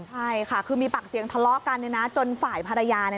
ใช่ค่ะคือมีปากเสียงทะเลาะกันจนฝ่ายภรรยา